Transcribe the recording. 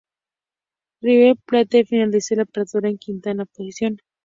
River Plate finalizó el Apertura en quinta posición.